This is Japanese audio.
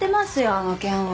あの件は。